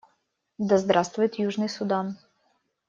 Да здравствует Южный Судан!